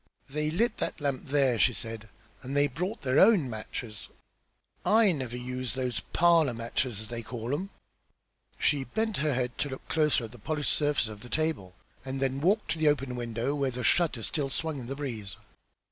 "They lit that lamp there!" she said. "And they brought their own matches. I never use those 'parlour matches,' as they call 'em!" She bent her head to look closer at the polished surface of the table, and then walked to the open window, where the shutter still swung in the breeze.